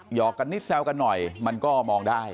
หอกกันนิดแซวกันหน่อยมันก็มองได้